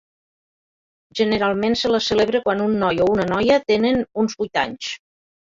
Generalment se la celebra quan un noi o una noia tenen uns vuit anys.